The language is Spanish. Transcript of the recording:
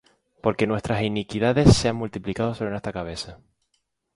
porque nuestras iniquidades se han multiplicado sobre nuestra cabeza,